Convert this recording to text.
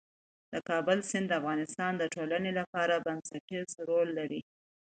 د کابل سیند د افغانستان د ټولنې لپاره بنسټيز رول لري.